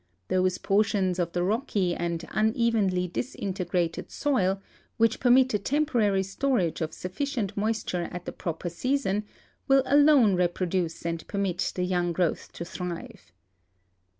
Those portions of the rocky and unevenly disintegrated soil which permit a temporary storage of sufficient moisture at the proper season will alone reproduce and permit the young growth to thrive.